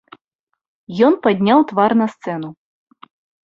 Ён падняў твар на сцэну.